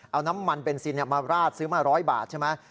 เอาน้ำมันเบนซินมาราดซื้อมา๑๐๐บาทใช่ไหม